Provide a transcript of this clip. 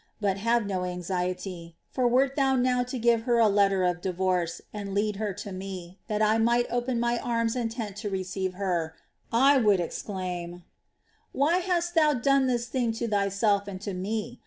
But have no anxiety; for wert thou now to give her a letter of divorce and lead her to me that I might open my arms and tent to receive her, I would exclaim: "Why hast thou done this thing to thyself and to me?